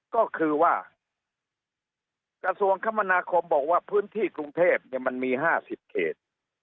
ก็คือว่ากระทรวงคมนาคมบอกว่าพื้นที่กรุงเทพมันมี๕๐เขต